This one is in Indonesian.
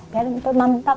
biar itu mantap